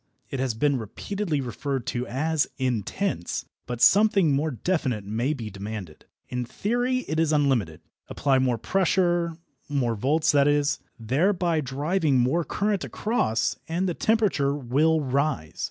It has been repeatedly referred to as "intense," but something more definite may be demanded. In theory it is unlimited. Apply more pressure more volts, that is thereby driving more current across, and the temperature will rise.